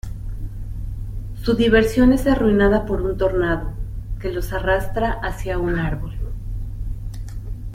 Su diversión es arruinada por un tornado, que los arrastra hacia un árbol.